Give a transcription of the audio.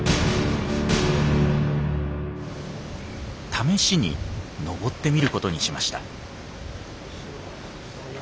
試しに登ってみることにしました。